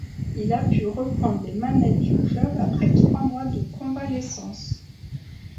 Il a pu reprendre les manettes du club après trois mois de convalescence.